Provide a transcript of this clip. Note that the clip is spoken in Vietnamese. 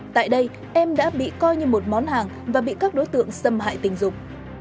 tại đây em đã bị coi như một món hàng và bị các đối tượng xâm hại tình dục